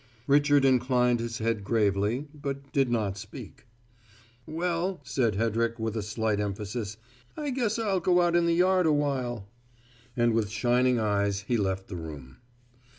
Richard inclined his head gravely, but did not speak. "Well," said Hedrick with a slight emphasis, "I guess I'll go out in the yard a while." And with shining eyes he left the room.